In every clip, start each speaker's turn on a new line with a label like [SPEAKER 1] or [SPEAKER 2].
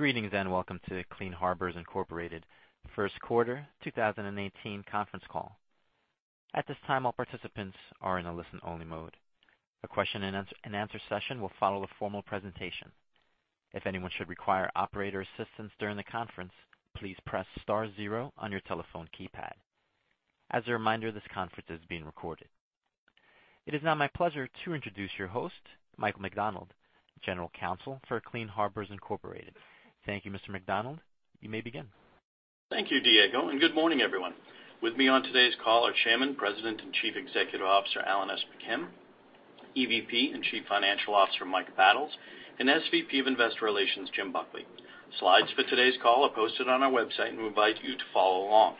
[SPEAKER 1] Greetings, welcome to Clean Harbors, Inc. first quarter 2018 conference call. At this time, all participants are in a listen-only mode. A question and answer session will follow the formal presentation. If anyone should require operator assistance during the conference, please press star zero on your telephone keypad. As a reminder, this conference is being recorded. It is now my pleasure to introduce your host, Michael McDonald, General Counsel for Clean Harbors, Inc. Thank you, Mr. McDonald. You may begin.
[SPEAKER 2] Thank you, Diego, good morning, everyone. With me on today's call are Chairman, President, and Chief Executive Officer, Alan S. McKim, EVP and Chief Financial Officer, Michael Battles, and SVP of Investor Relations, Jim Buckley. Slides for today's call are posted on our website, we invite you to follow along.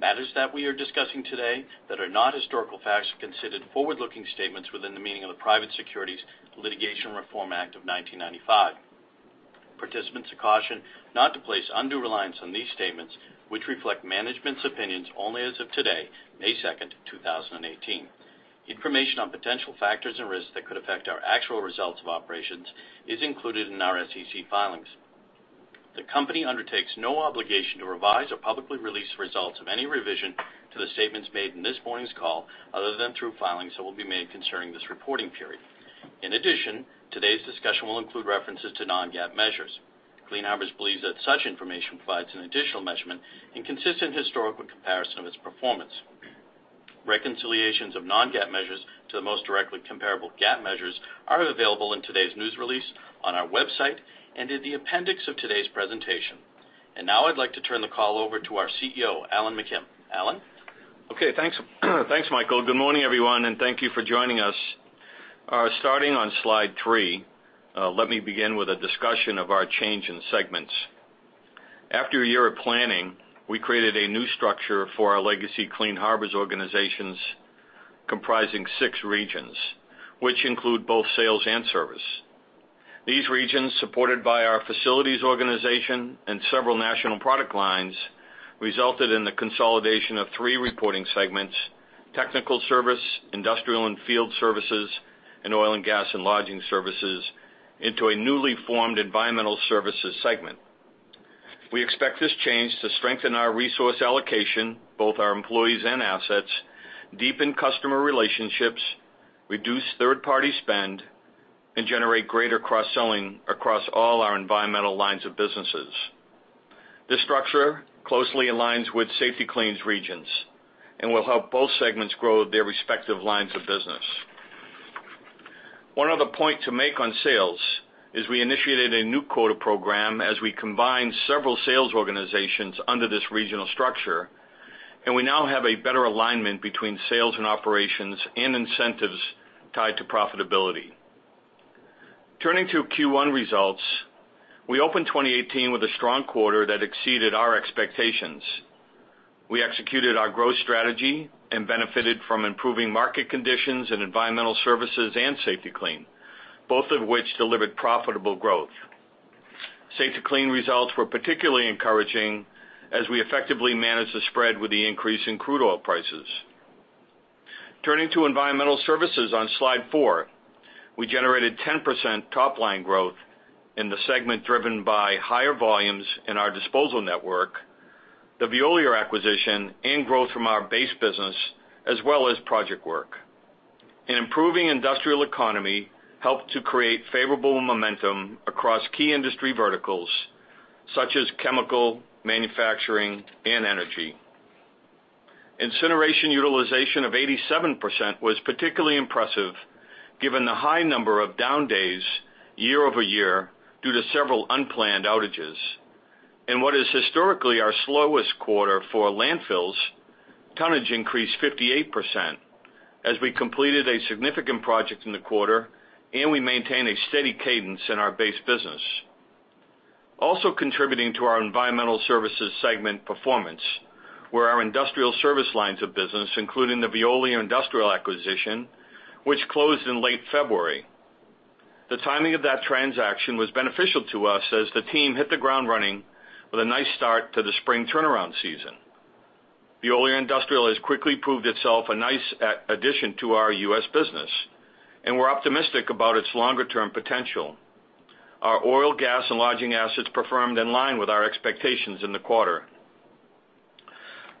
[SPEAKER 2] Matters that we are discussing today that are not historical facts are considered forward-looking statements within the meaning of the Private Securities Litigation Reform Act of 1995. Participants are cautioned not to place undue reliance on these statements, which reflect management's opinions only as of today, May 2nd, 2018. Information on potential factors and risks that could affect our actual results of operations is included in our SEC filings. The company undertakes no obligation to revise or publicly release results of any revision to the statements made in this morning's call, other than through filings that will be made concerning this reporting period. In addition, today's discussion will include references to non-GAAP measures. Clean Harbors believes that such information provides an additional measurement and consistent historical comparison of its performance. Reconciliations of non-GAAP measures to the most directly comparable GAAP measures are available in today's news release, on our website, and in the appendix of today's presentation. Now I'd like to turn the call over to our CEO, Alan McKim. Alan?
[SPEAKER 3] Okay, thanks Michael. Good morning, everyone, thank you for joining us. Starting on Slide three, let me begin with a discussion of our change in segments. After a year of planning, we created a new structure for our legacy Clean Harbors organizations comprising six regions, which include both sales and service. These regions, supported by our facilities organization and several national product lines, resulted in the consolidation of three reporting segments, Technical Service, Industrial and Field Services, and Oil and Gas and Lodging Services, into a newly formed Environmental Services segment. We expect this change to strengthen our resource allocation, both our employees and assets, deepen customer relationships, reduce third-party spend, and generate greater cross-selling across all our environmental lines of businesses. This structure closely aligns with Safety-Kleen's regions and will help both segments grow their respective lines of business. One other point to make on sales is we initiated a new quota program as we combined several sales organizations under this regional structure. We now have a better alignment between sales and operations and incentives tied to profitability. Turning to Q1 results, we opened 2018 with a strong quarter that exceeded our expectations. We executed our growth strategy and benefited from improving market conditions in environmental services and Safety-Kleen, both of which delivered profitable growth. Safety-Kleen results were particularly encouraging as we effectively managed the spread with the increase in crude oil prices. Turning to environmental services on Slide 4. We generated 10% top-line growth in the segment driven by higher volumes in our disposal network, the Veolia acquisition, and growth from our base business, as well as project work. An improving industrial economy helped to create favorable momentum across key industry verticals, such as chemical, manufacturing, and energy. Incineration utilization of 87% was particularly impressive given the high number of down days year-over-year due to several unplanned outages. In what is historically our slowest quarter for landfills, tonnage increased 58% as we completed a significant project in the quarter. We maintained a steady cadence in our base business. Also contributing to our environmental services segment performance were our industrial service lines of business, including the Veolia industrial acquisition, which closed in late February. The timing of that transaction was beneficial to us as the team hit the ground running with a nice start to the spring turnaround season. Veolia industrial has quickly proved itself a nice addition to our U.S. business. We're optimistic about its longer-term potential. Our oil, gas, and lodging assets performed in line with our expectations in the quarter.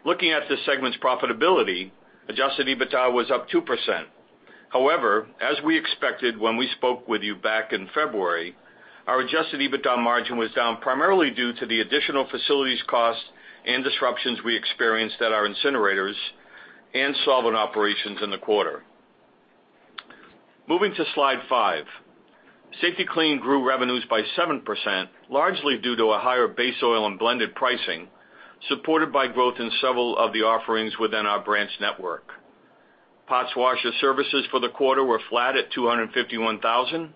[SPEAKER 3] Looking at this segment's profitability, adjusted EBITDA was up 2%. However, as we expected when we spoke with you back in February, our adjusted EBITDA margin was down primarily due to the additional facilities cost and disruptions we experienced at our incinerators and solvent operations in the quarter. Moving to Slide 5. Safety-Kleen grew revenues by 7%, largely due to a higher base oil and blended pricing, supported by growth in several of the offerings within our branch network. Parts washer services for the quarter were flat at 251,000.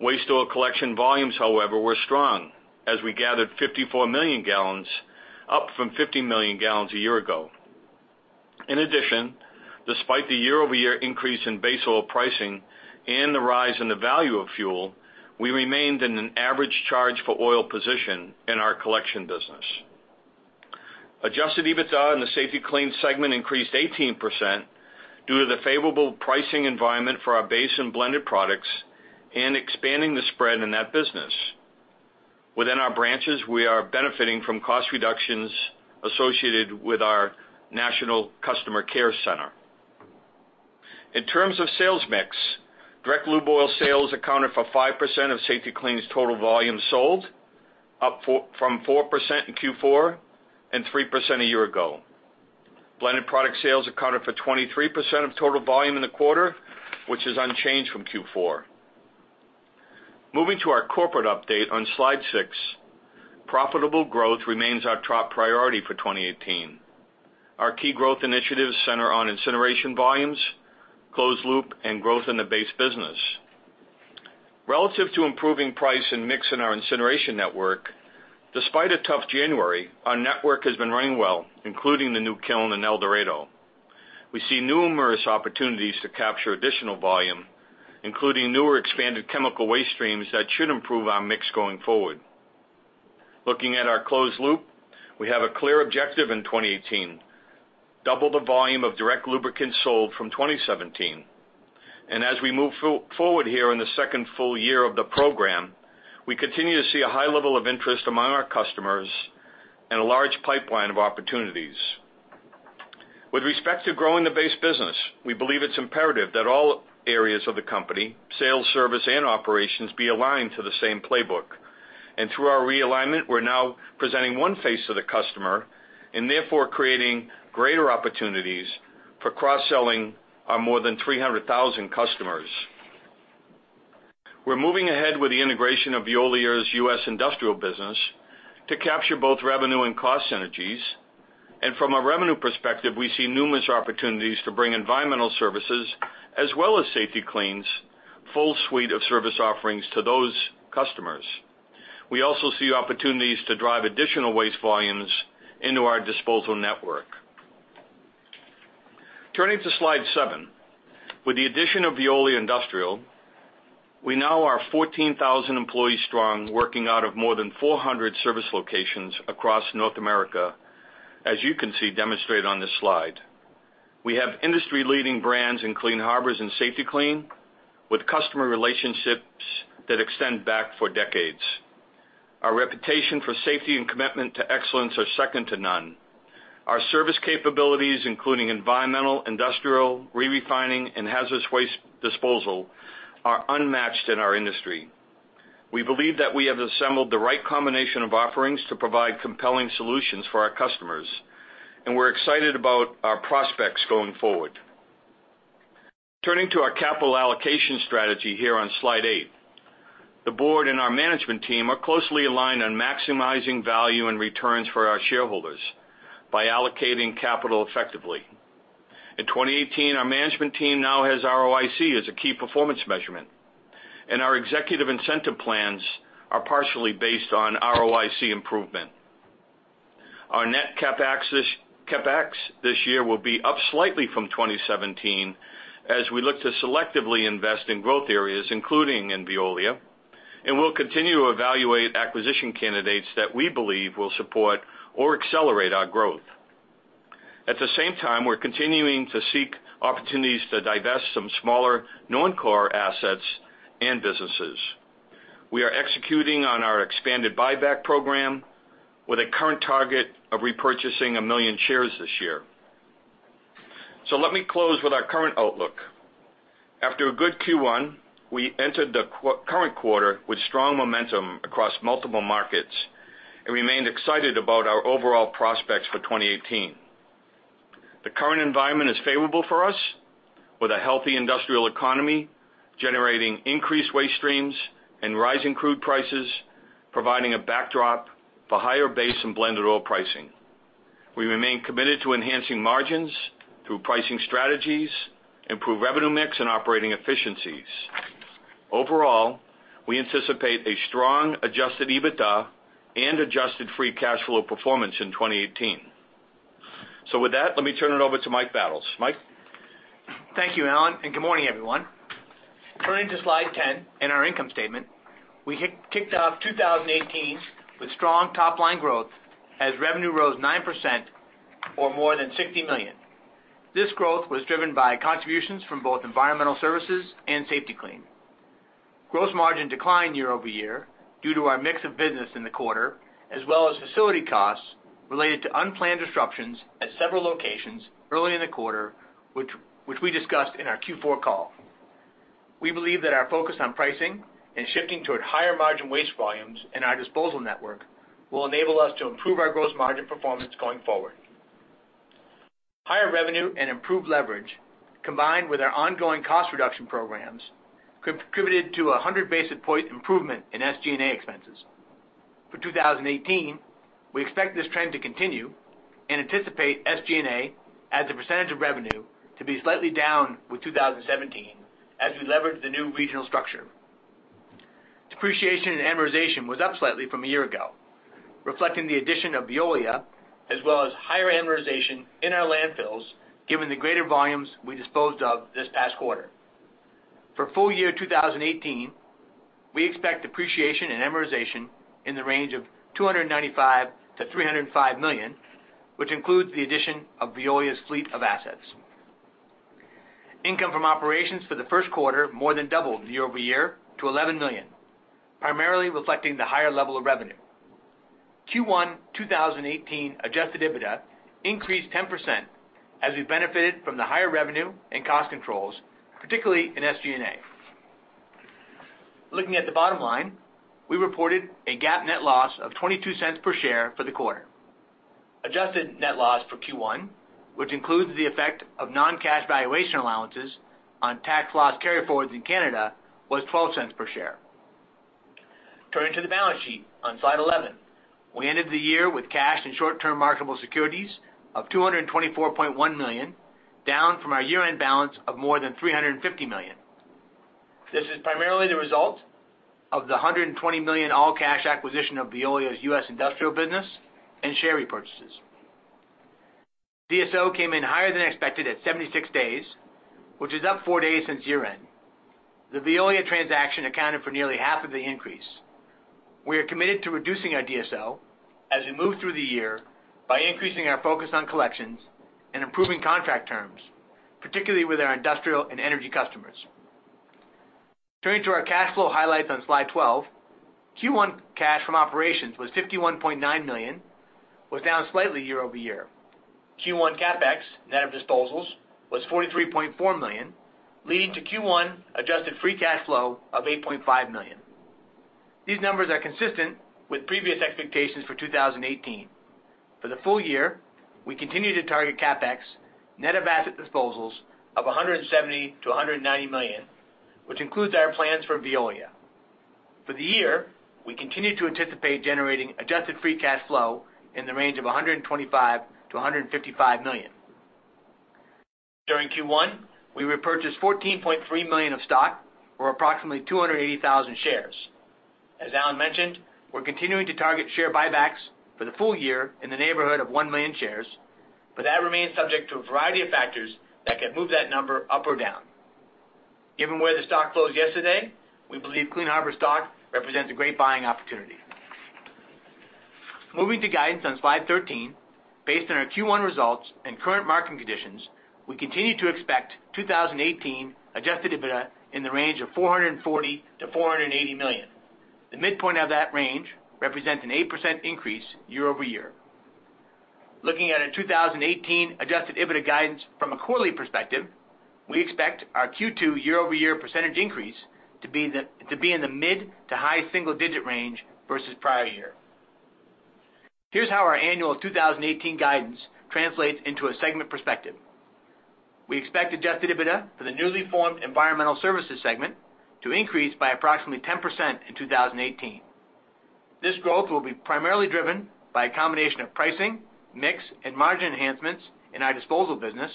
[SPEAKER 3] Waste oil collection volumes, however, were strong as we gathered 54 million gallons, up from 50 million gallons a year ago. In addition, despite the year-over-year increase in base oil pricing and the rise in the value of fuel, we remained in an average charge-for-oil position in our collection business. Adjusted EBITDA in the Safety-Kleen segment increased 18% due to the favorable pricing environment for our base and blended products. Expanding the spread in that business. Within our branches, we are benefiting from cost reductions associated with our national customer care center. In terms of sales mix, direct lube oil sales accounted for 5% of Safety-Kleen's total volume sold, up from 4% in Q4 and 3% a year ago. Blended product sales accounted for 23% of total volume in the quarter, which is unchanged from Q4. Moving to our corporate update on Slide 6. Profitable growth remains our top priority for 2018. Our key growth initiatives center on incineration volumes, closed loop, and growth in the base business. Relative to improving price and mix in our incineration network, despite a tough January, our network has been running well, including the new kiln in El Dorado. We see numerous opportunities to capture additional volume, including newer expanded chemical waste streams that should improve our mix going forward. Looking at our closed loop, we have a clear objective in 2018: double the volume of direct lubricants sold from 2017. As we move forward here in the second full year of the program, we continue to see a high level of interest among our customers and a large pipeline of opportunities. With respect to growing the base business, we believe it's imperative that all areas of the company, sales, service, and operations, be aligned to the same playbook. Through our realignment, we're now presenting one face to the customer and therefore creating greater opportunities for cross-selling our more than 300,000 customers. We're moving ahead with the integration of Veolia's U.S. industrial business to capture both revenue and cost synergies. From a revenue perspective, we see numerous opportunities to bring environmental services as well as Safety-Kleen's full suite of service offerings to those customers. We also see opportunities to drive additional waste volumes into our disposal network. Turning to Slide seven. With the addition of Veolia Industrial, we now are 14,000 employees strong, working out of more than 400 service locations across North America, as you can see demonstrated on this slide. We have industry-leading brands in Clean Harbors and Safety-Kleen, with customer relationships that extend back for decades. Our reputation for safety and commitment to excellence are second to none. Our service capabilities, including environmental, industrial, re-refining, and hazardous waste disposal, are unmatched in our industry. We believe that we have assembled the right combination of offerings to provide compelling solutions for our customers, and we're excited about our prospects going forward. Turning to our capital allocation strategy here on Slide eight. The board and our management team are closely aligned on maximizing value and returns for our shareholders by allocating capital effectively. In 2018, our management team now has ROIC as a key performance measurement, and our executive incentive plans are partially based on ROIC improvement. Our net CapEx this year will be up slightly from 2017, as we look to selectively invest in growth areas, including in Veolia, and we'll continue to evaluate acquisition candidates that we believe will support or accelerate our growth. At the same time, we're continuing to seek opportunities to divest some smaller non-core assets and businesses. We are executing on our expanded buyback program with a current target of repurchasing a million shares this year. Let me close with our current outlook. After a good Q1, we entered the current quarter with strong momentum across multiple markets and remained excited about our overall prospects for 2018. The current environment is favorable for us, with a healthy industrial economy generating increased waste streams and rising crude prices, providing a backdrop for higher base and blended oil pricing. We remain committed to enhancing margins through pricing strategies, improved revenue mix, and operating efficiencies. Overall, we anticipate a strong adjusted EBITDA and adjusted free cash flow performance in 2018. With that, let me turn it over to Mike Battles. Mike?
[SPEAKER 4] Thank you, Alan, and good morning, everyone. Turning to Slide 10 in our income statement. We kicked off 2018 with strong top-line growth as revenue rose 9% or more than $60 million. This growth was driven by contributions from both environmental services and Safety-Kleen. Gross margin declined year-over-year due to our mix of business in the quarter, as well as facility costs related to unplanned disruptions at several locations early in the quarter, which we discussed in our Q4 call. We believe that our focus on pricing and shifting toward higher-margin waste volumes in our disposal network will enable us to improve our gross margin performance going forward. Higher revenue and improved leverage, combined with our ongoing cost reduction programs, contributed to a 100-basis point improvement in SG&A expenses. For 2018, we expect this trend to continue and anticipate SG&A as a percentage of revenue to be slightly down with 2017 as we leverage the new regional structure. Depreciation and amortization was up slightly from a year ago, reflecting the addition of Veolia, as well as higher amortization in our landfills, given the greater volumes we disposed of this past quarter. For full year 2018, we expect depreciation and amortization in the range of $295 million-$305 million, which includes the addition of Veolia's fleet of assets. Income from operations for the first quarter more than doubled year-over-year to $11 million, primarily reflecting the higher level of revenue. Q1 2018 adjusted EBITDA increased 10% as we benefited from the higher revenue and cost controls, particularly in SG&A. Looking at the bottom line, we reported a GAAP net loss of $0.22 per share for the quarter. Adjusted net loss for Q1, which includes the effect of non-cash valuation allowances on tax loss carryforwards in Canada, was $0.12 per share. Turning to the balance sheet on Slide 11. We ended the year with cash and short-term marketable securities of $224.1 million, down from our year-end balance of more than $350 million. This is primarily the result of the $120 million all-cash acquisition of Veolia's U.S. Industrial business and share repurchases. DSO came in higher than expected at 76 days, which is up four days since year-end. The Veolia transaction accounted for nearly half of the increase. We are committed to reducing our DSO as we move through the year by increasing our focus on collections and improving contract terms, particularly with our industrial and energy customers. Turning to our cash flow highlights on Slide 12. Q1 cash from operations was $51.9 million, was down slightly year-over-year. Q1 CapEx, net of disposals, was $43.4 million, leading to Q1 adjusted free cash flow of $8.5 million. These numbers are consistent with previous expectations for 2018. For the full year, we continue to target CapEx, net of asset disposals, of $170 million-$190 million, which includes our plans for Veolia. For the year, we continue to anticipate generating adjusted free cash flow in the range of $125 million-$155 million. During Q1, we repurchased $14.3 million of stock, or approximately 280,000 shares. As Alan mentioned, we're continuing to target share buybacks for the full year in the neighborhood of one million shares, but that remains subject to a variety of factors that could move that number up or down. Given where the stock closed yesterday, we believe Clean Harbors stock represents a great buying opportunity. Moving to guidance on slide 13. Based on our Q1 results and current market conditions, we continue to expect 2018 adjusted EBITDA in the range of $440 million-$480 million. The midpoint of that range represents an 8% increase year-over-year. Looking at a 2018 adjusted EBITDA guidance from a quarterly perspective, we expect our Q2 year-over-year % increase to be in the mid to high single digit range versus prior year. Here's how our annual 2018 guidance translates into a segment perspective. We expect adjusted EBITDA for the newly formed Environmental Services segment to increase by approximately 10% in 2018. This growth will be primarily driven by a combination of pricing, mix, and margin enhancements in our disposal business,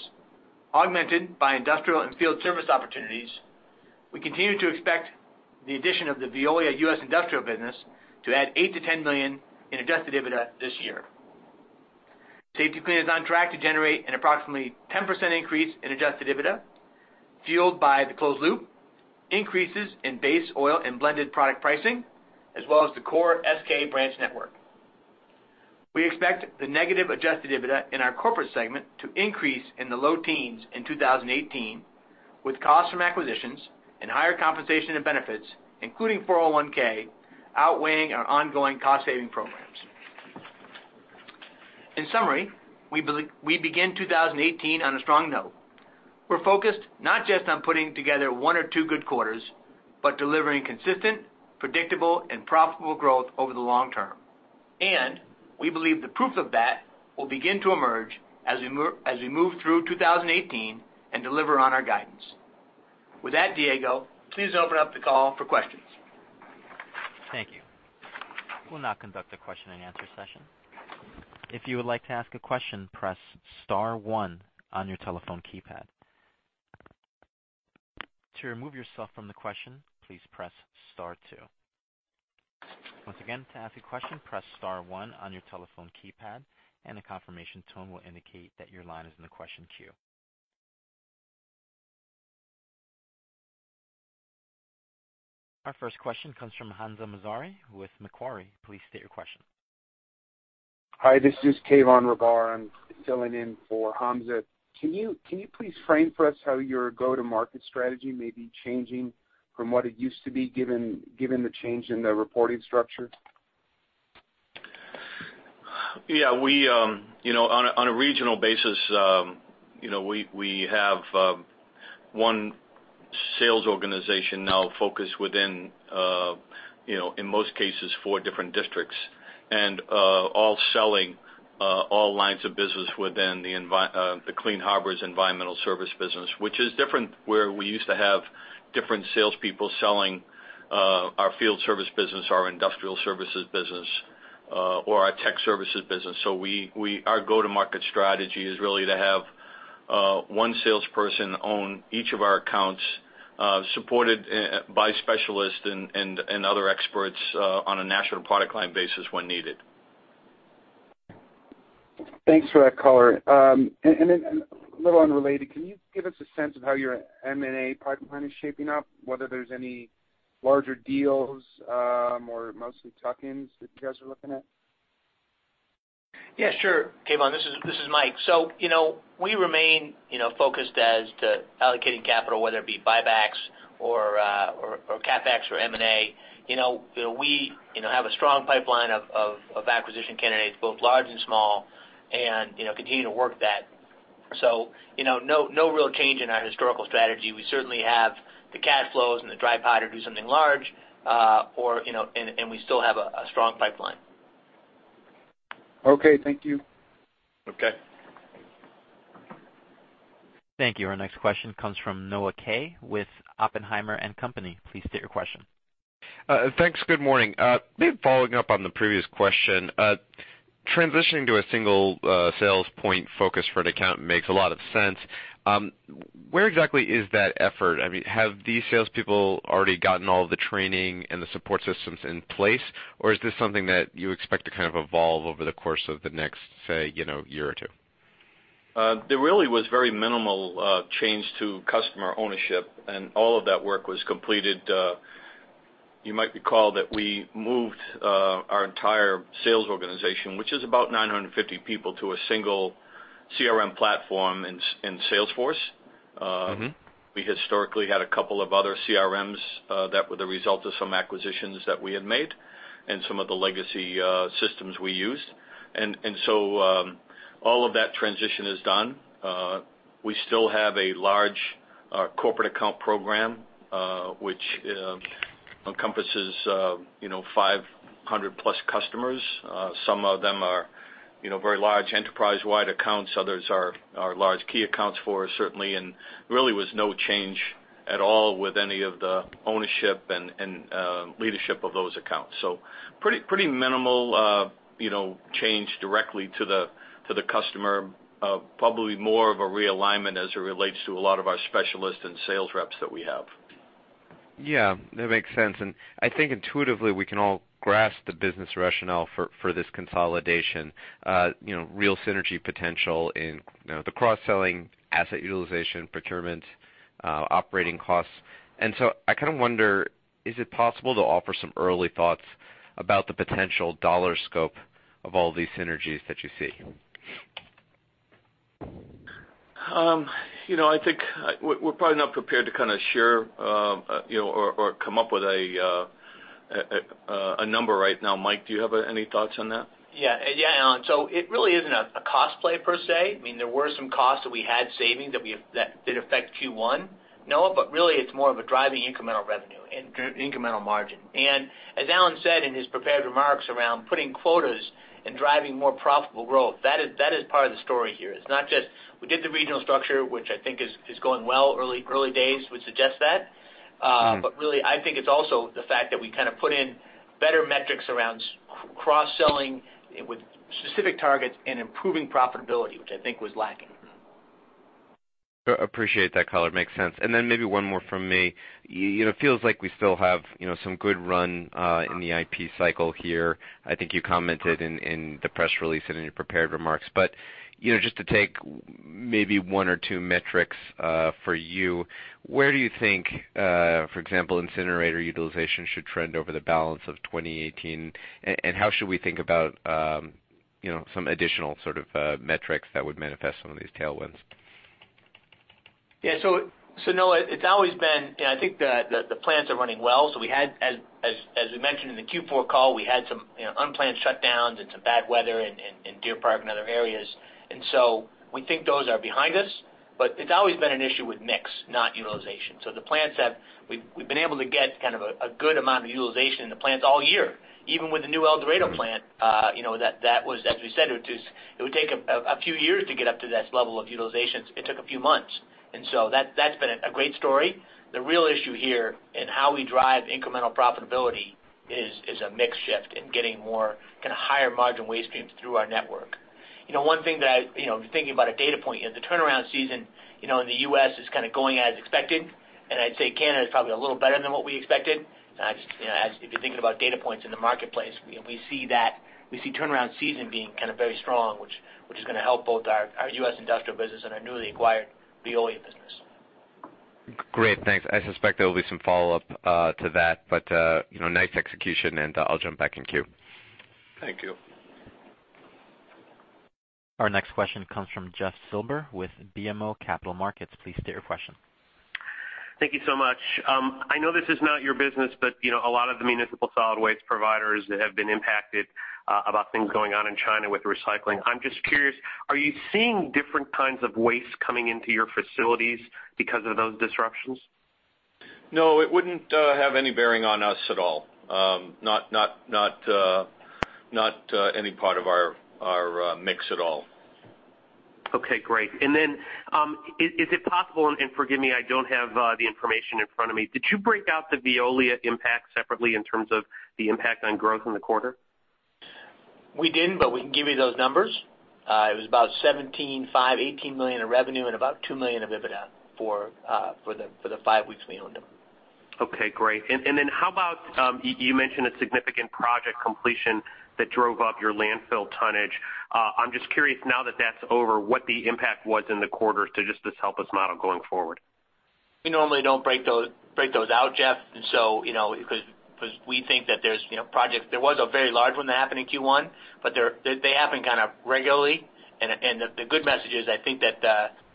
[SPEAKER 4] augmented by industrial and field service opportunities. We continue to expect the addition of the Veolia U.S. Industrial business to add $8 million-$10 million in adjusted EBITDA this year. Safety-Kleen is on track to generate an approximately 10% increase in adjusted EBITDA, fueled by the closed loop, increases in base oil and blended product pricing, as well as the core SK branch network. We expect the negative adjusted EBITDA in our corporate segment to increase in the low teens in 2018, with costs from acquisitions and higher compensation and benefits, including 401(k), outweighing our ongoing cost-saving programs. In summary, we begin 2018 on a strong note. We're focused not just on putting together one or two good quarters, but delivering consistent, predictable, and profitable growth over the long term. We believe the proof of that will begin to emerge as we move through 2018 and deliver on our guidance. With that, Diego, please open up the call for questions.
[SPEAKER 1] Thank you. We'll now conduct a question and answer session. If you would like to ask a question, press star one on your telephone keypad. To remove yourself from the question, please press star two. Once again, to ask a question, press star one on your telephone keypad and a confirmation tone will indicate that your line is in the question queue. Our first question comes from Hamza Mazari with Macquarie. Please state your question.
[SPEAKER 5] Hi, this is Kayvon Rahbar. I'm filling in for Hamza. Can you please frame for us how your go-to-market strategy may be changing from what it used to be, given the change in the reporting structure?
[SPEAKER 3] Yeah. On a regional basis, we have one sales organization now focused within, in most cases, four different districts. All selling all lines of business within the Clean Harbors Environmental Services business, which is different, where we used to have different salespeople selling our field service business, our industrial services business, or our Tech Services business. Our go-to-market strategy is really to have one salesperson own each of our accounts, supported by specialists and other experts on a national product line basis when needed.
[SPEAKER 5] Thanks for that color. A little unrelated, can you give us a sense of how your M&A pipeline is shaping up, whether there's any larger deals, or mostly tuck-ins that you guys are looking at?
[SPEAKER 4] Yeah, sure, Kayvon. This is Mike. We remain focused as to allocating capital, whether it be buybacks or CapEx or M&A. We have a strong pipeline of acquisition candidates, both large and small, and continue to work that. No real change in our historical strategy. We certainly have the cash flows and the dry powder to do something large, and we still have a strong pipeline.
[SPEAKER 5] Okay. Thank you.
[SPEAKER 3] Okay.
[SPEAKER 1] Thank you. Our next question comes from Noah Kaye with Oppenheimer & Co. Inc. Please state your question.
[SPEAKER 6] Thanks. Good morning. Maybe following up on the previous question, transitioning to a single sales point focus for an account makes a lot of sense. Where exactly is that effort? Have these salespeople already gotten all the training and the support systems in place? Or is this something that you expect to kind of evolve over the course of the next, say, year or two?
[SPEAKER 3] There really was very minimal change to customer ownership, and all of that work was completed. You might recall that we moved our entire sales organization, which is about 950 people, to a single CRM platform in Salesforce, Inc. We historically had a couple of other CRMs that were the result of some acquisitions that we had made and some of the legacy systems we used. All of that transition is done. We still have a large corporate account program, which encompasses 500-plus customers. Some of them are very large enterprise-wide accounts. Others are large key accounts for us, certainly. Really was no change at all with any of the ownership and leadership of those accounts. Pretty minimal change directly to the customer. Probably more of a realignment as it relates to a lot of our specialists and sales reps that we have.
[SPEAKER 6] Yeah, that makes sense. I think intuitively we can all grasp the business rationale for this consolidation. There is real synergy potential in the cross-selling, asset utilization, procurement, operating costs. I kind of wonder, is it possible to offer some early thoughts about the potential dollar scope of all these synergies that you see?
[SPEAKER 3] I think we're probably not prepared to share or come up with a number right now. Mike Battles, do you have any thoughts on that? Yeah, Alan. It really isn't a cost play per se. There were some costs that we had savings that did affect Q1, Noah Kaye, really it's more of a driving incremental revenue, incremental margin. As Alan S. McKim said in his prepared remarks around putting quotas and driving more profitable growth, that is part of the story here. It's not just we did the regional structure, which I think is going well. Early days would suggest that. Really, I think it's also the fact that we kind of put in better metrics around cross-selling with specific targets and improving profitability, which I think was lacking.
[SPEAKER 6] Appreciate that color. Makes sense. Then maybe one more from me. It feels like we still have some good run in the IP cycle here. I think you commented in the press release and in your prepared remarks. Just to take maybe one or two metrics for you, where do you think, for example, incinerator utilization should trend over the balance of 2018? How should we think about some additional sort of metrics that would manifest some of these tailwinds?
[SPEAKER 3] Yeah. Noah, it's always been I think the plants are running well. As we mentioned in the Q4 call, we had some unplanned shutdowns and some bad weather in Deer Park and other areas. We think those are behind us. It's always been an issue with mix, not utilization. We've been able to get kind of a good amount of utilization in the plants all year, even with the new El Dorado plant. That was, as we said, it would take a few years to get up to this level of utilization. It took a few months, that's been a great story. The real issue here in how we drive incremental profitability is a mix shift and getting more kind of higher margin waste streams through our network. One thing that, thinking about a data point, the turnaround season in the U.S. is kind of going as expected, and I'd say Canada is probably a little better than what we expected. If you're thinking about data points in the marketplace, we see turnaround season being kind of very strong, which is going to help both our U.S. industrial business and our newly acquired Veolia business.
[SPEAKER 6] Great. Thanks. I suspect there will be some follow-up to that. Nice execution, I'll jump back in queue.
[SPEAKER 3] Thank you.
[SPEAKER 1] Our next question comes from Jeff Silber with BMO Capital Markets. Please state your question.
[SPEAKER 7] Thank you so much. A lot of the municipal solid waste providers have been impacted about things going on in China with recycling. I'm just curious, are you seeing different kinds of waste coming into your facilities because of those disruptions?
[SPEAKER 3] No, it wouldn't have any bearing on us at all. Not any part of our mix at all.
[SPEAKER 7] Okay, great. Is it possible, and forgive me, I don't have the information in front of me, did you break out the Veolia impact separately in terms of the impact on growth in the quarter?
[SPEAKER 4] We didn't, but we can give you those numbers. It was about $17.5, $18 million of revenue and about $2 million of EBITDA for the five weeks we owned them.
[SPEAKER 7] Okay, great. How about, you mentioned a significant project completion that drove up your landfill tonnage. I'm just curious now that that's over, what the impact was in the quarter to just help us model going forward.
[SPEAKER 4] We normally don't break those out, Jeff, because we think that there's projects. There was a very large one that happened in Q1, they happen kind of regularly, the good message is, I think that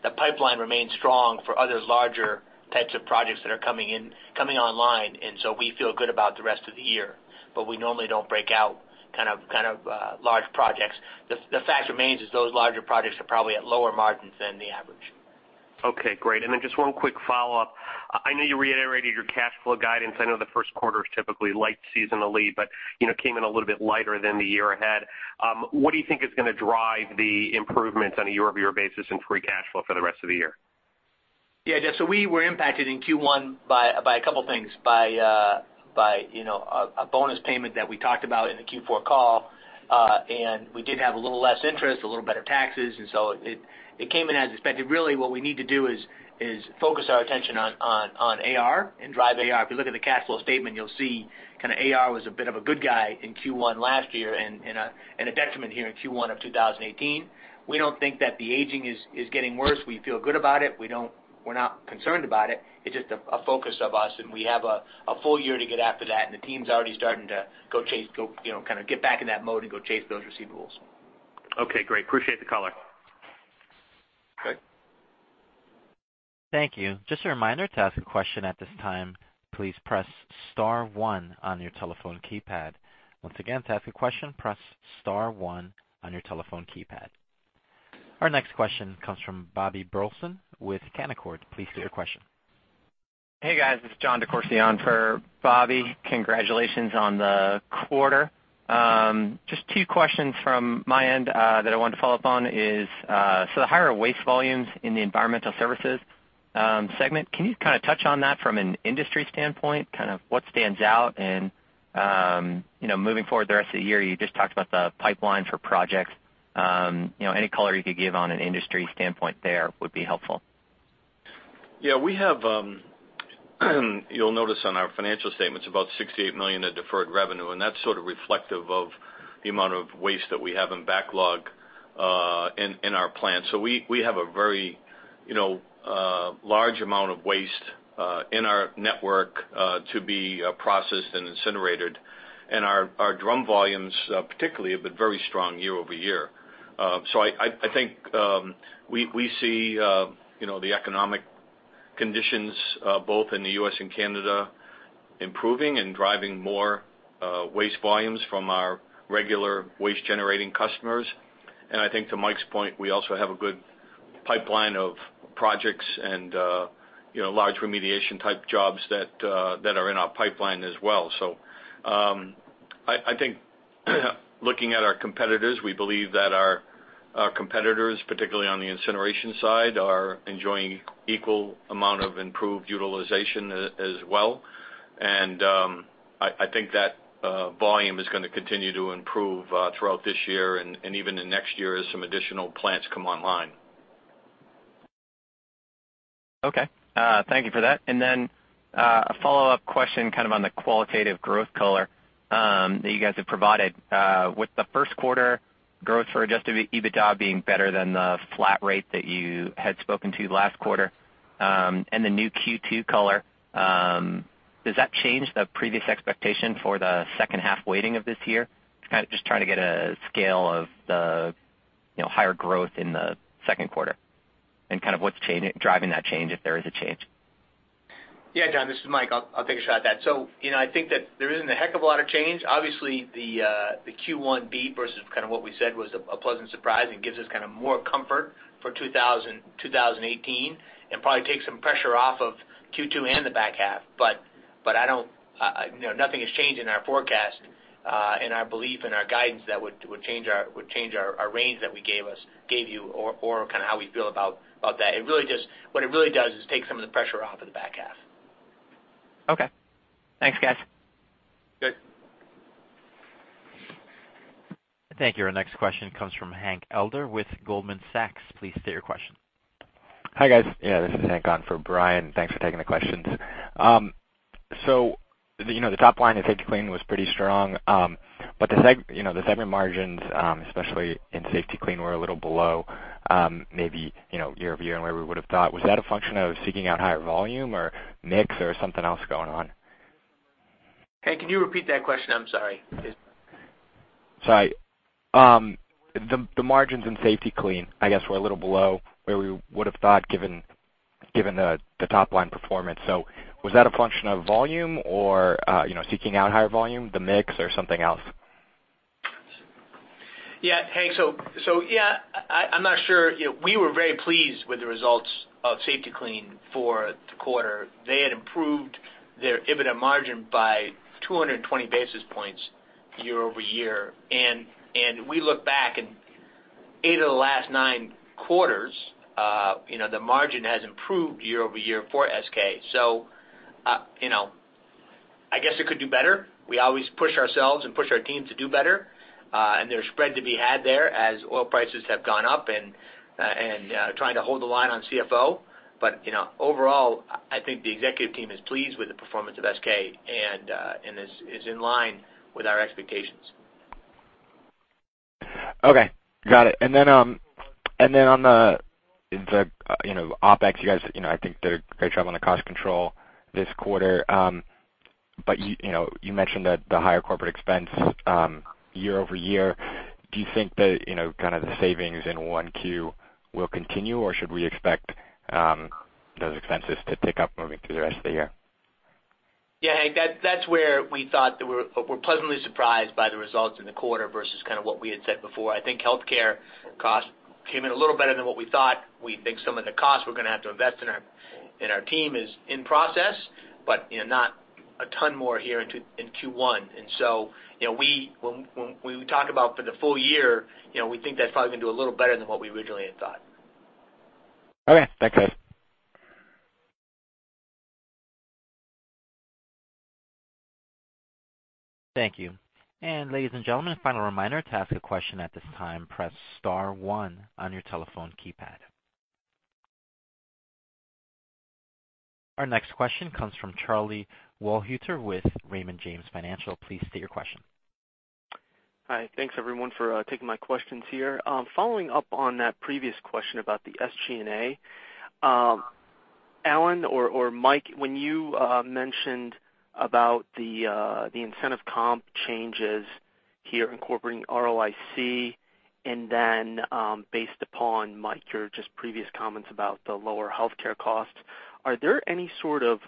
[SPEAKER 4] the pipeline remains strong for other larger types of projects that are coming online, we feel good about the rest of the year. We normally don't break out kind of large projects. The fact remains is those larger projects are probably at lower margins than the average.
[SPEAKER 7] Okay, great. Just one quick follow-up. I know you reiterated your cash flow guidance. I know the first quarter is typically light seasonally, it came in a little bit lighter than the year ahead. What do you think is going to drive the improvements on a year-over-year basis in free cash flow for the rest of the year?
[SPEAKER 4] Jeff, we were impacted in Q1 by a couple things. By a bonus payment that we talked about in the Q4 call, we did have a little less interest, a little better taxes, so it came in as expected. Really, what we need to do is focus our attention on AR and drive AR. If you look at the cash flow statement, you'll see AR was a bit of a good guy in Q1 last year, and a detriment here in Q1 of 2018. We don't think that the aging is getting worse. We feel good about it. We're not concerned about it. It's just a focus of us, and we have a full year to get after that, and the team's already starting to kind of get back in that mode and go chase those receivables.
[SPEAKER 7] Okay, great. Appreciate the color.
[SPEAKER 4] Okay.
[SPEAKER 1] Thank you. Just a reminder, to ask a question at this time, please press *1 on your telephone keypad. Once again, to ask a question, press *1 on your telephone keypad. Our next question comes from Bobby Burleson with Canaccord. Please state your question.
[SPEAKER 8] Hey, guys, this is John DeCuir for Bobby. Congratulations on the quarter. Just two questions from my end that I wanted to follow up on is, the higher waste volumes in the Environmental Services segment, can you kind of touch on that from an industry standpoint, kind of what stands out? Moving forward the rest of the year, you just talked about the pipeline for projects. Any color you could give on an industry standpoint there would be helpful.
[SPEAKER 3] Yeah. You'll notice on our financial statements about $68 million of deferred revenue, that's sort of reflective of the amount of waste that we have in backlog in our plant. We have a very large amount of waste in our network to be processed and incinerated, and our drum volumes particularly have been very strong year-over-year. I think we see the economic conditions, both in the U.S. and Canada, improving and driving more waste volumes from our regular waste-generating customers. I think to Mike's point, we also have a good pipeline of projects and large remediation-type jobs that are in our pipeline as well. I think looking at our competitors, we believe that our competitors, particularly on the incineration side, are enjoying equal amount of improved utilization as well. I think that volume is going to continue to improve throughout this year and even in next year as some additional plants come online.
[SPEAKER 8] Okay. Thank you for that. A follow-up question kind of on the qualitative growth color that you guys have provided. With the first quarter growth for adjusted EBITDA being better than the flat rate that you had spoken to last quarter, and the new Q2 color, does that change the previous expectation for the second half weighting of this year? Just trying to get a scale of the higher growth in the second quarter and kind of what's driving that change, if there is a change.
[SPEAKER 4] Yeah, John, this is Mike. I'll take a shot at that. I think that there isn't a heck of a lot of change. Obviously, the Q1 beat versus kind of what we said was a pleasant surprise and gives us kind of more comfort for 2018 and probably takes some pressure off of Q2 and the back half. Nothing is changing our forecast and our belief and our guidance that would change our range that we gave you or kind of how we feel about that. What it really does is take some of the pressure off of the back half.
[SPEAKER 8] Okay. Thanks, guys.
[SPEAKER 4] Good.
[SPEAKER 1] Thank you. Our next question comes from Hank Elder with Goldman Sachs. Please state your question.
[SPEAKER 9] Hi, guys. Yeah, this is Hank on for Brian. Thanks for taking the questions. The top line at Safety-Kleen was pretty strong. The segment margins, especially in Safety-Kleen, were a little below, maybe, year-over-year where we would have thought. Was that a function of seeking out higher volume or mix or something else going on?
[SPEAKER 4] Hank, can you repeat that question? I'm sorry.
[SPEAKER 9] Sorry. The margins in Safety-Kleen, I guess, were a little below where we would've thought given the top-line performance. Was that a function of volume or seeking out higher volume, the mix, or something else?
[SPEAKER 4] Yeah, Hank, I'm not sure. We were very pleased with the results of Safety-Kleen for the quarter. They had improved their EBITDA margin by 220 basis points year-over-year. We look back and eight of the last nine quarters, the margin has improved year-over-year for SK. I guess it could do better. We always push ourselves and push our team to do better. There's spread to be had there as oil prices have gone up and trying to hold the line on charge-for-oil. Overall, I think the executive team is pleased with the performance of SK and is in line with our expectations.
[SPEAKER 9] Okay. Got it. On the OpEx, you guys, I think did a great job on the cost control this quarter. You mentioned that the higher corporate expense year-over-year, do you think that kind of the savings in 1Q will continue, or should we expect those expenses to tick up moving through the rest of the year?
[SPEAKER 4] Yeah, Hank, that's where we thought that we're pleasantly surprised by the results in the quarter versus what we had said before. I think healthcare costs came in a little better than what we thought. We think some of the costs we're going to have to invest in our team is in process, but not a ton more here in Q1. When we talk about for the full year, we think that's probably going to do a little better than what we originally had thought.
[SPEAKER 9] Okay. Thanks, guys.
[SPEAKER 1] Thank you. Ladies and gentlemen, final reminder, to ask a question at this time, press star one on your telephone keypad. Our next question comes from Charlie Wohlhuter with Raymond James Financial. Please state your question.
[SPEAKER 10] Hi. Thanks, everyone, for taking my questions here. Following up on that previous question about the SG&A, Alan or Mike, when you mentioned about the incentive comp changes here incorporating ROIC, and then based upon, Mike, your just previous comments about the lower healthcare costs, are there any sort of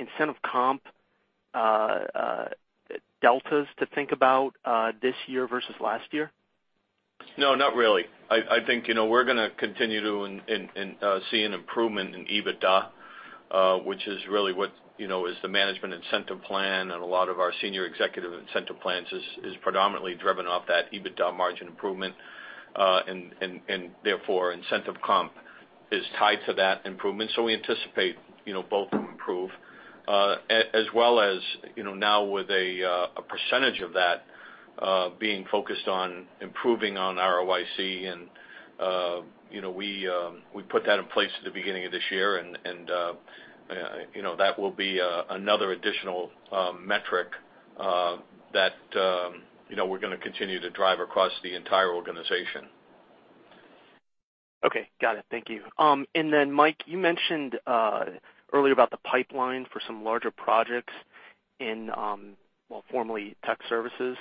[SPEAKER 10] incentive comp deltas to think about this year versus last year?
[SPEAKER 3] No, not really. I think we're going to continue to see an improvement in EBITDA, which is really what is the management incentive plan and a lot of our senior executive incentive plans is predominantly driven off that EBITDA margin improvement, and therefore incentive comp is tied to that improvement. We anticipate both will improve, as well as now with a percentage of that being focused on improving on ROIC. We put that in place at the beginning of this year, and that will be another additional metric that we're going to continue to drive across the entire organization.
[SPEAKER 10] Okay. Got it. Thank you. Mike, you mentioned earlier about the pipeline for some larger projects in, well, formerly tech services.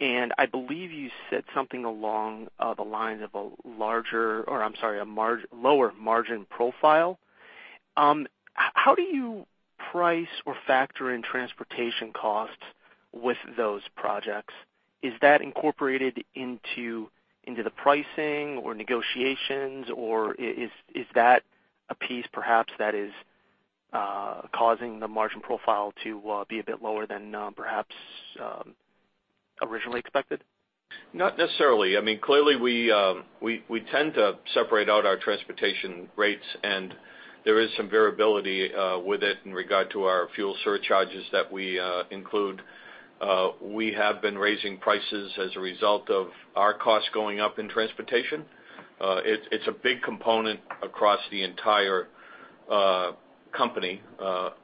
[SPEAKER 10] I believe you said something along the lines of a lower margin profile. How do you price or factor in transportation costs with those projects? Is that incorporated into the pricing or negotiations, or is that a piece perhaps that is causing the margin profile to be a bit lower than perhaps originally expected?
[SPEAKER 3] Not necessarily. Clearly, we tend to separate out our transportation rates, and there is some variability with it in regard to our fuel surcharges that we include. We have been raising prices as a result of our costs going up in transportation. It's a big component across the entire company,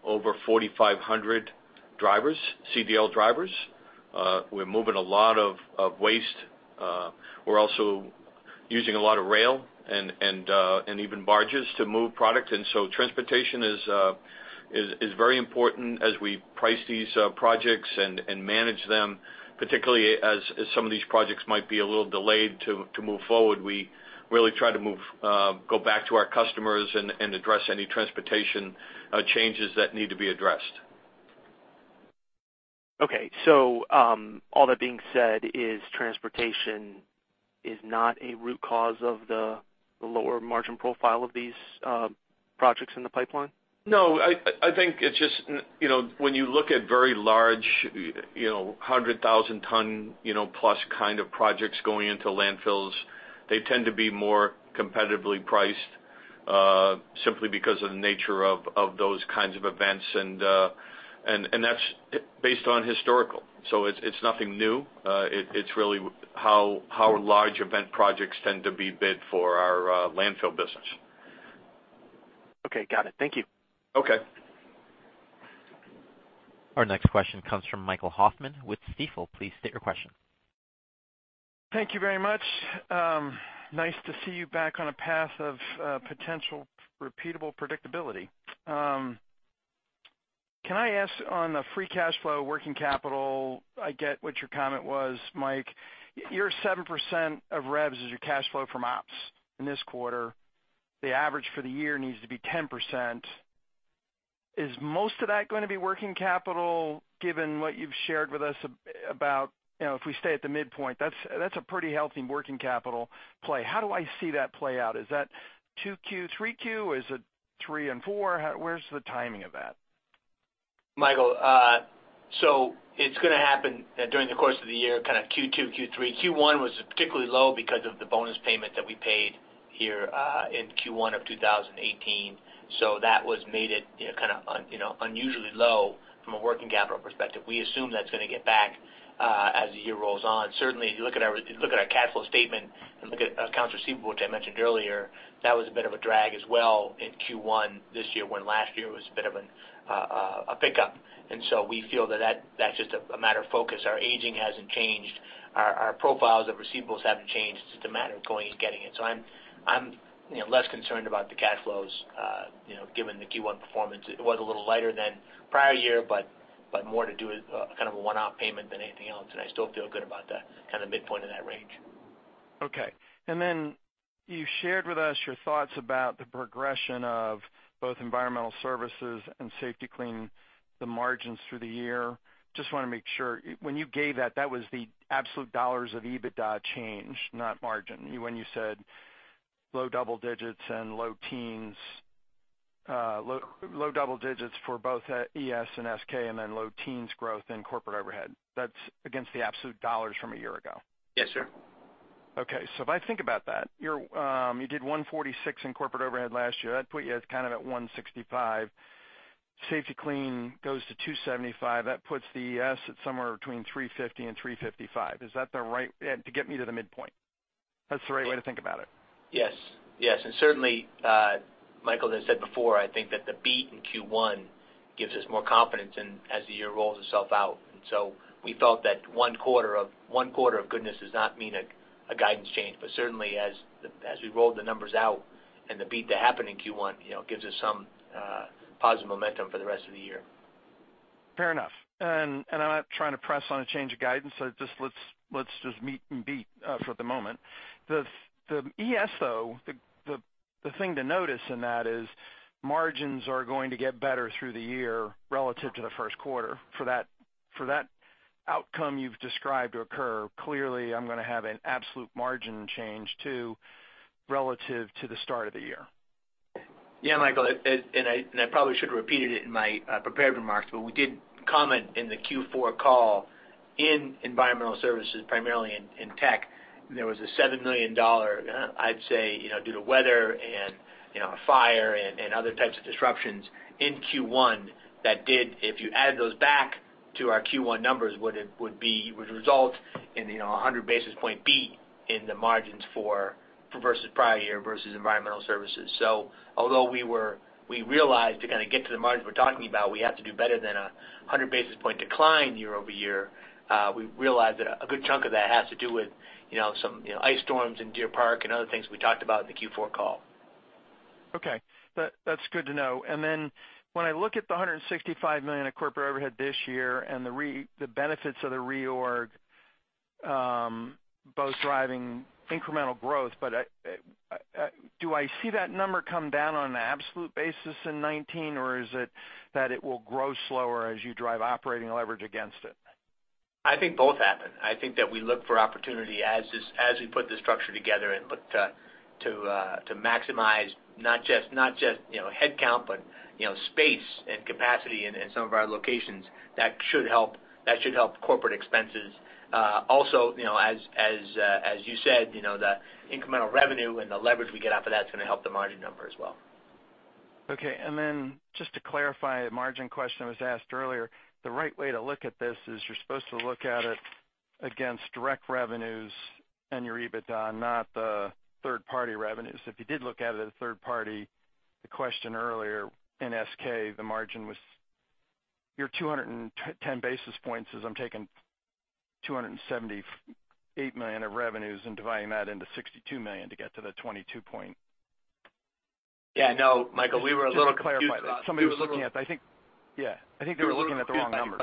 [SPEAKER 3] over 4,500 drivers, CDL drivers. We're moving a lot of waste. We're also using a lot of rail and even barges to move product. Transportation is very important as we price these projects and manage them, particularly as some of these projects might be a little delayed to move forward. We really try to go back to our customers and address any transportation changes that need to be addressed.
[SPEAKER 10] Okay. All that being said, transportation is not a root cause of the lower margin profile of these projects in the pipeline?
[SPEAKER 3] No. I think it's just when you look at very large, 100,000 ton+ kind of projects going into landfills, they tend to be more competitively priced, simply because of the nature of those kinds of events. That's based on historical. It's nothing new. It's really how large event projects tend to be bid for our landfill business.
[SPEAKER 10] Okay, got it. Thank you.
[SPEAKER 3] Okay.
[SPEAKER 1] Our next question comes from Michael Hoffman with Stifel. Please state your question.
[SPEAKER 11] Thank you very much. Nice to see you back on a path of potential repeatable predictability. Can I ask on the free cash flow working capital, I get what your comment was, Mike. Your 7% of revs is your cash flow from ops in this quarter. The average for the year needs to be 10%. Is most of that going to be working capital, given what you've shared with us about if we stay at the midpoint, that's a pretty healthy working capital play. How do I see that play out? Is that 2Q, 3Q? Is it three and four? Where's the timing of that?
[SPEAKER 4] It's going to happen during the course of the year, kind of Q2, Q3. Q1 was particularly low because of the bonus payment that we paid here in Q1 of 2018. That was made unusually low from a working capital perspective. We assume that's going to get back as the year rolls on. Certainly, if you look at our cash flow statement and look at accounts receivable, which I mentioned earlier, that was a bit of a drag as well in Q1 this year, when last year it was a bit of a pickup. We feel that that's just a matter of focus. Our aging hasn't changed. Our profiles of receivables haven't changed. It's just a matter of going and getting it. I'm less concerned about the cash flows given the Q1 performance. It was a little lighter than prior year, but more to do with kind of a one-off payment than anything else, and I still feel good about that kind of midpoint in that range.
[SPEAKER 11] Okay. You shared with us your thoughts about the progression of both environmental services and Safety-Kleen, the margins through the year. Just want to make sure, when you gave that was the absolute $ of EBITDA change, not margin. When you said low double digits and low teens, low double digits for both ES and SK, and then low teens growth in corporate overhead. That's against the absolute $ from a year ago?
[SPEAKER 4] Yes, sir.
[SPEAKER 11] Okay. If I think about that, you did $146 in corporate overhead last year. That'd put you at kind of at $165. Safety-Kleen goes to $275. That puts the ES at somewhere between $350 and $355. To get me to the midpoint. That's the right way to think about it?
[SPEAKER 4] Yes. Certainly, Michael, as I said before, I think that the beat in Q1 gives us more confidence as the year rolls itself out. We felt that one quarter of goodness does not mean a guidance change, but certainly as we rolled the numbers out and the beat that happened in Q1 gives us some positive momentum for the rest of the year.
[SPEAKER 11] Fair enough. I'm not trying to press on a change of guidance, let's just meet and beat for the moment. The ES, though, the thing to notice in that is margins are going to get better through the year relative to the first quarter. For that outcome you've described to occur, clearly, I'm going to have an absolute margin change too relative to the start of the year.
[SPEAKER 4] Michael, I probably should have repeated it in my prepared remarks, but we did comment in the Q4 call in environmental services, primarily in tech, there was a $7 million, I'd say due to weather and a fire and other types of disruptions in Q1 that did, if you added those back to our Q1 numbers, would result in a 100 basis point beat in the margins versus prior year versus environmental services. Although we realized to kind of get to the margins we're talking about, we have to do better than a 100 basis point decline year-over-year. We realized that a good chunk of that has to do with some ice storms in Deer Park and other things we talked about in the Q4 call.
[SPEAKER 11] Okay. That's good to know. When I look at the $165 million of corporate overhead this year and the benefits of the reorg both driving incremental growth, do I see that number come down on an absolute basis in 2019, or is it that it will grow slower as you drive operating leverage against it?
[SPEAKER 4] I think both happen. I think that we look for opportunity as we put the structure together and look to maximize not just headcount, but space and capacity in some of our locations. That should help corporate expenses. As you said, the incremental revenue and the leverage we get off of that is going to help the margin number as well.
[SPEAKER 11] Okay, just to clarify a margin question that was asked earlier, the right way to look at this is you're supposed to look at it against direct revenues and your EBITDA, not the third-party revenues. If you did look at it as third party, the question earlier in SK, the margin was your 210 basis points is I'm taking $278 million of revenues and dividing that into $62 million to get to the 22 point.
[SPEAKER 4] Yeah, no, Michael, we were a little confused.
[SPEAKER 11] Just to clarify, somebody was looking at the wrong number.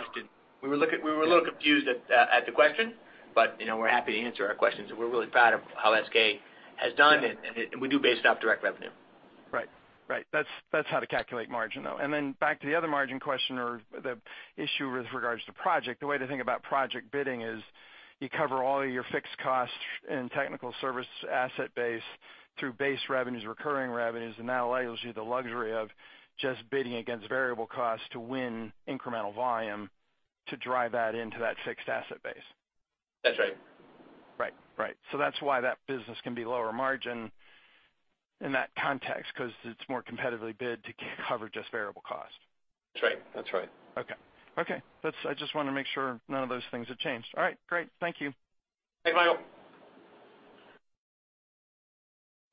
[SPEAKER 4] We were a little confused at the question. We're happy to answer our questions. We're really proud of how SK has done. We do base it off direct revenue.
[SPEAKER 11] Right. That's how to calculate margin, though. Back to the other margin question or the issue with regards to project, the way to think about project bidding is you cover all of your fixed costs in Technical Service asset base through base revenues, recurring revenues. That allows you the luxury of just bidding against variable costs to win incremental volume to drive that into that fixed asset base.
[SPEAKER 4] That's right.
[SPEAKER 11] Right. That's why that business can be lower margin in that context, because it's more competitively bid to cover just variable cost.
[SPEAKER 4] That's right.
[SPEAKER 11] Okay. I just want to make sure none of those things have changed. All right, great. Thank you.
[SPEAKER 4] Thanks, Michael.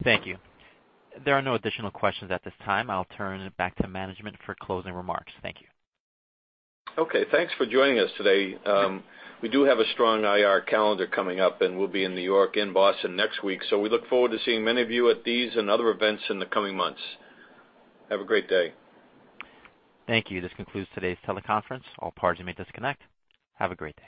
[SPEAKER 1] Thank you. There are no additional questions at this time. I'll turn it back to management for closing remarks. Thank you.
[SPEAKER 3] Okay. Thanks for joining us today. We do have a strong IR calendar coming up, and we'll be in New York and Boston next week, so we look forward to seeing many of you at these and other events in the coming months. Have a great day.
[SPEAKER 1] Thank you. This concludes today's teleconference. All parties, you may disconnect. Have a great day.